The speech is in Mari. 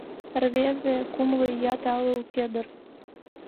— Рвезе: кумло ият але уке дыр...